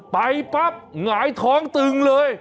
ไปปั๊บหงายท้องตึงเลย